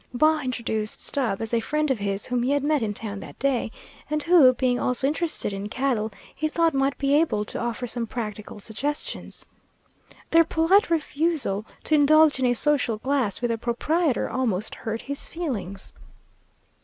Baugh introduced Stubb as a friend of his whom he had met in town that day, and who, being also interested in cattle, he thought might be able to offer some practical suggestions. Their polite refusal to indulge in a social glass with the proprietor almost hurt his feelings.